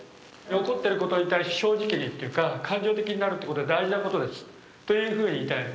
起こってることに対して正直にっていうか感情的になるってことは大事なことですというふうに言いたい。